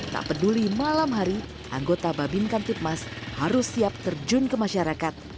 tak peduli malam hari anggota babin kamtipmas harus siap terjun ke masyarakat